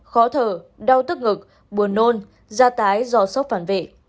khó thở đau tức ngực buồn nôn da tái do sốc phản vệ